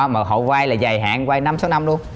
mà họ vai là dài hạn vai năm sáu năm luôn